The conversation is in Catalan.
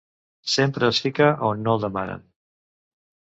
Sempre es fica on no el demanen.